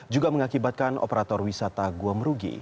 juga mengakibatkan operator wisata gua merugi